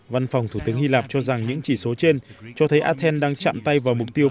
văn phòng thủ tướng hy lạp cho rằng những chỉ số trên cho thấy athens đang chạm tay vào mục tiêu